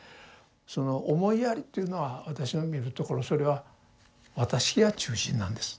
その「思いやり」というのは私が見るところそれは「私が中心」なんです。